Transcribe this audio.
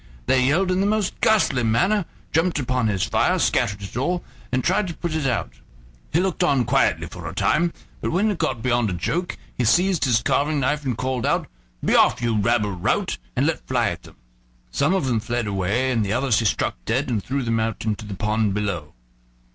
They yelled in the most ghastly manner, jumped upon his fire, scattered it all, and tried to put it out. He looked on quietly for a time, but when it got beyond a joke he seized his carving knife and called out: "Be off, you rabble rout!" and let fly at them. Some of them fled away, and the others he struck dead and threw them out into the pond below.